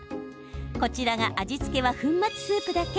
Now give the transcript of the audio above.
こちらが味付けは粉末スープだけ。